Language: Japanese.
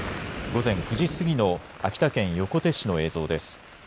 午前９時過ぎの秋田県横手市の映像です。